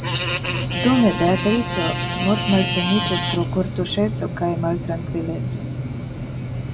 Dume Beatrico mortmalsaniĝis pro kortuŝeco kaj maltrankvileco.